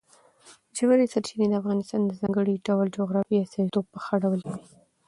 ژورې سرچینې د افغانستان د ځانګړي ډول جغرافیې استازیتوب په ښه ډول کوي.